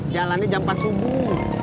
jalannya jam empat subuh